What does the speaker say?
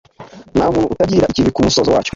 Nta muntu utangirira ikivi ku musozo wacyo